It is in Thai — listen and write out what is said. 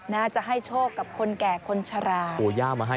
น่าจะให้โชคกับคนแก่คนชราร